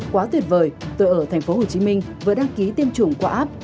quá tuyệt vời tôi ở tp hcm vừa đăng ký tiêm chủng qua app